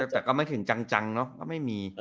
แต่ไม่ถึงจังเนาะ